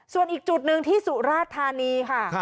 ส่วนอีกจุดหนึ่งที่สุราธานีค่ะ